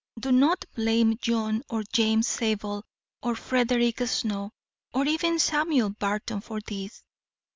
Do not blame John or James Zabel, or Frederick Snow, or even Samuel Barton for this.